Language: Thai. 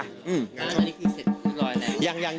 อันนี้กี่เซ็ทลอยเนี่ย